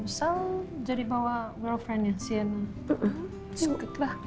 bisa jadi bawa girlfriend nya sienna